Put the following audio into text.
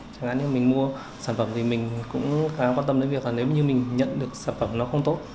chẳng hạn như mình mua sản phẩm thì mình cũng khá quan tâm đến việc là nếu như mình nhận được sản phẩm nó không tốt